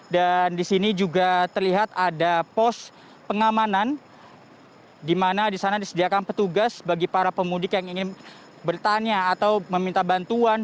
dan di sini juga terlihat ada pos pengamanan di mana di sana disediakan petugas bagi para pemudik yang ingin bertanya atau meminta bantuan